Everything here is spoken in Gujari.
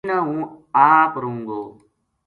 دینہا ہوں آپ رہوں گو